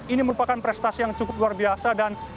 ini merupakan prestasi yang cukup luar biasa dan